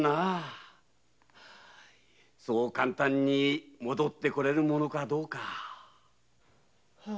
そう簡単に戻ってこられるものかどうか。